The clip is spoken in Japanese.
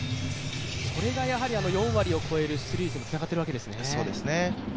それが４割を超える出塁率につながっているわけですね。